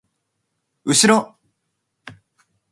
うしろ！